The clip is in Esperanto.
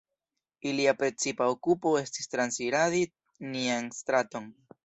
Ilia precipa okupo estis transiradi nian straton.